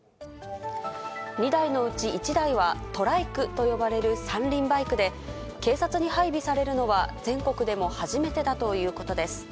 ２台のうち１台は、トライクと呼ばれる三輪バイクで、警察に配備されるのは、全国でも初めてだということです。